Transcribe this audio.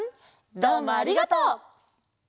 どうもありがとう！